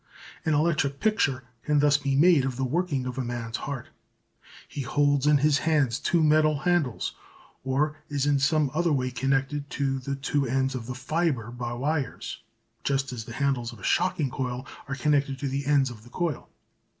An electric picture can thus be made of the working of a man's heart. He holds in his hands two metal handles or is in some other way connected to the two ends of the fibre by wires just as the handles of a shocking coil are connected to the ends of the coil.